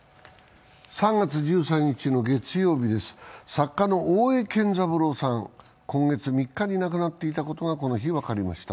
作家の大江健三郎さん、今月３日に亡くなっていたことが、この日、分かりました。